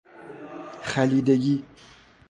خلیدگی